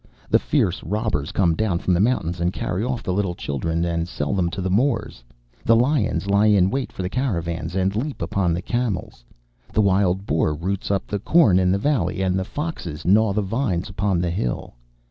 The fierce robbers come down from the mountains, and carry off the little children, and sell them to the Moors. The lions lie in wait for the caravans, and leap upon the camels. The wild boar roots up the corn in the valley, and the foxes gnaw the vines upon the hill.